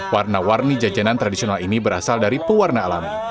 warna warni jajanan tradisional ini berasal dari pewarna alami